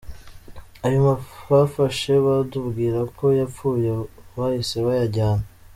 Ayo bafashe batubwira ko yapfuye bahise bayajyana.